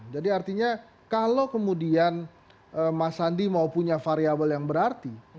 jadi artinya kalau kemudian mas sandi mau punya variabel yang berarti